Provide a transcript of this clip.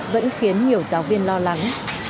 vẫn khiến nhiều giáo viên lo lắng